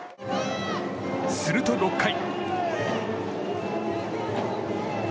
すると６回。